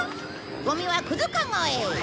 ゴミはくずかごへ。